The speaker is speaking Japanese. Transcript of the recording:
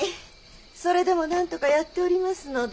それでもなんとかやっておりますので。